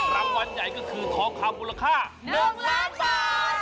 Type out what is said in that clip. รางวัลใหญ่ก็คือทองคำมูลค่า๑ล้านบาท